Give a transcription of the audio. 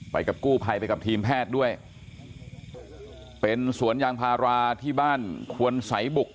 ไปกับกู้ภัยไปกับทีมแพทย์ด้วยเป็นสวนยางพาราที่บ้านควรสายบุก